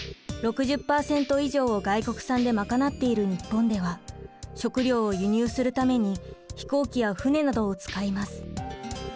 ６０％以上を外国産で賄っている日本では食料を輸入するために飛行機や船などを使います。